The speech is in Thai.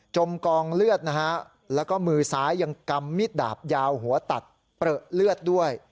กองเลือดนะฮะแล้วก็มือซ้ายยังกำมิดดาบยาวหัวตัดเปลือเลือดด้วย